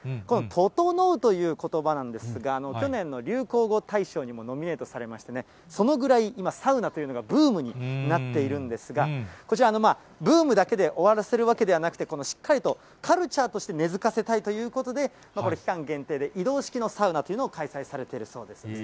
このととのうということばなんですが、去年の流行語大賞にもノミネートされましてね、そのぐらい今、サウナというのがブームになっているんですが、こちら、ブームだけで終わらせるわけではなくて、このしっかりと、カルチャーとして根づかせたいということで、これ、期間限定で、移動式のサウナというものを開催されてるそうです。